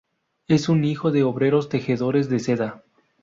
Es un hijo de obreros tejedores de seda.